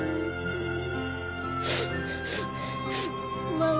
ママ。